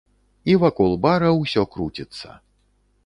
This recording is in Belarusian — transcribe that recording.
І вакол бара ўсё круціцца.